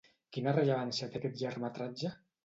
Quina rellevància té aquest llargmetratge?